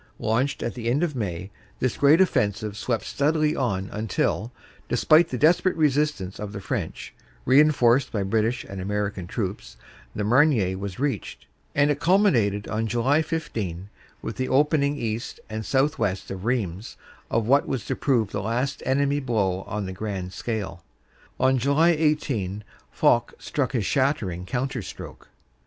Launched at the end of May, this great offensive swept steadily on until, despite the desperate resist ance of the French, reinforced by British and American troops, the Marne was reached, and it culminated on July 15 with the opening east and south west of Rheims of what was to prove the last enemy blow on the grand scale. On July 18 Foch struck his shattering counter stroke.